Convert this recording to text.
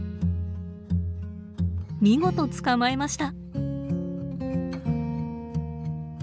見事捕まえました。